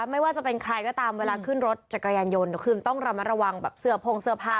ไม่ว่าจะเป็นใครก็ตามเวลาขึ้นรถจักรยานยนต์คือต้องระมัดระวังแบบเสื้อโพงเสื้อผ้า